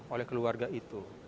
oleh keluarga itu